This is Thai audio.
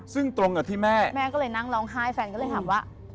ซึ่งตรงกับที่แม่แม่ก็เลยนั่งร้องไห้แฟนก็เลยถามว่า